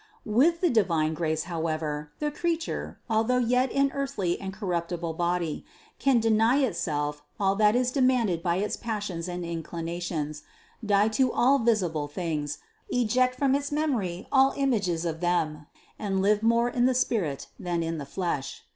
With the divine grace, however, the creature (al though yet in earthly and corruptible body) can deny it THE CONCEPTION 505 self all that is demanded by its passions and inclinations, die to all visible things, eject from its memory all images of them, and live more in the spirit than in the flesh.